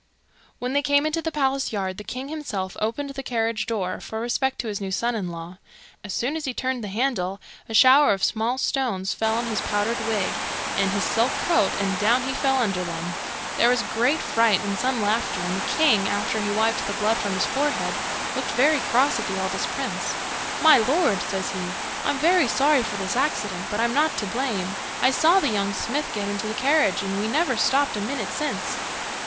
When they came into the palace yard, the king himself opened the carriage door, for respect to his new son in law. As soon as he turned the handle, a shower of small stones fell on his powdered wig and his silk coat, and down he fell under them. There was great fright and some laughter, and the king, after he wiped the blood from his forehead, looked very cross at the eldest prince. 'My lord,' says he, 'I'm very sorry for this accident, but I'm not to blame. I saw the young smith get into the carriage, and we never stopped a minute since.